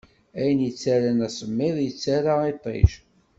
Ayen ittaran asemmiḍ, ittara iṭij.